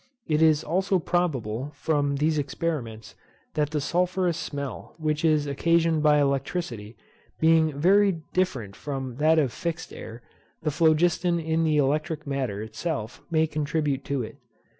It is also probable, from these experiments, that the sulphureous smell, which is occasioned by electricity, being very different from that of fixed air, the phlogiston in the electric matter itself may contribute to it.